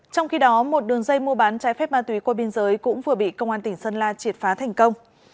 trong khi đó một đường dây mua bán trái phép ma túy qua biên giới cũng vừa bị công an tỉnh sơn la triệt phá thành công